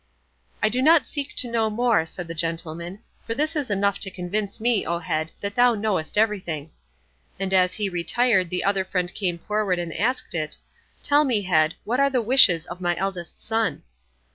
"I do not seek to know more," said the gentleman, "for this is enough to convince me, O Head, that thou knowest everything;" and as he retired the other friend came forward and asked it, "Tell me, Head, what are the wishes of my eldest son?"